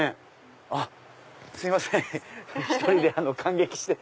あっすいません１人で感激して。